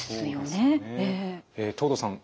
藤堂さん